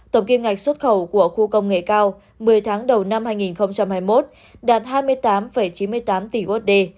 tổng kim ngạch xuất khẩu của khu công nghệ cao một mươi tháng đầu năm hai nghìn hai mươi một đạt hai mươi tám chín mươi tám tỷ usd